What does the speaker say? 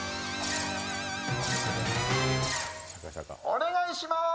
お願いします。